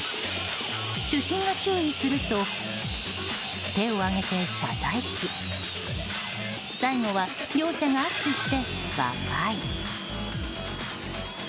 主審が注意すると手を上げて謝罪し最後は両者が握手して和解。